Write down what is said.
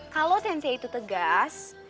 kalau sensei itu tegas